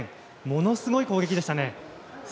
ものすごい攻撃でしたね。